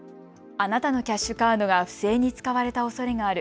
あなたのキャッシュカードが不正に使われたおそれがある。